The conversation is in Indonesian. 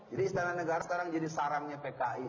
jadi istana negara sekarang jadi sarangnya pki